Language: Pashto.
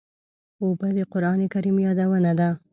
اوبه د قرآن کریم یادونه ده.